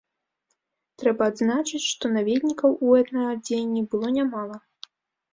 Трэба адзначыць, што наведнікаў у этнаадзенні было нямала.